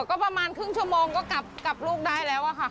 ก็ประมาณครึ่งชั่วโมงก็กลับลูกได้แล้วอะค่ะ